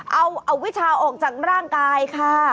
เอาวิชาออกจากร่างกายค่ะ